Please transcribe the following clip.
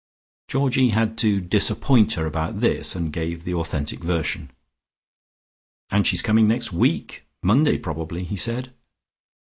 Georgie had to disappoint her about this, and gave the authentic version. "And she's coming next week, Monday probably," he said.